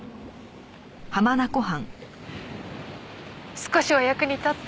少しは役に立った？